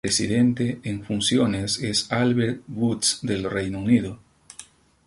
El presidente en funciones es Albert Woods del Reino Unido.